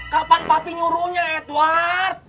kapan papi nyuruhnya edward